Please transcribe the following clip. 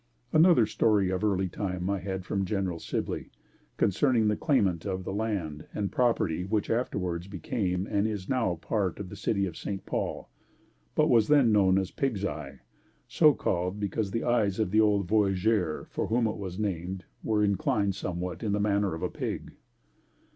Another story of early time I had from Genl. Sibley concerned the claimant of the land and property which afterwards became and is now a part of the city of St. Paul, but was then known as Pigs Eye, so called because the eyes of the old voyageur for whom it was named were inclined somewhat in the manner of a pig.